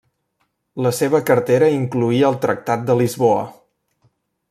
La seva cartera incloïa el Tractat de Lisboa.